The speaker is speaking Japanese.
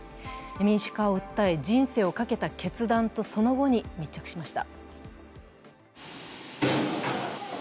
民主化を訴え、人生をかけた決断とその後に密着しました。